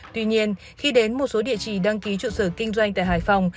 tuy nhiên khi đến một số địa chỉ đăng ký trụ sở kinh doanh tại hải phòng